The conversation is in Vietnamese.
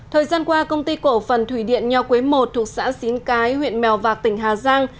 thời gian qua công ty cổ phần thủy điện nho quế i thuộc xã xín cái huyện mèo vạc tỉnh hà giang